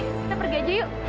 kita pergi aja yuk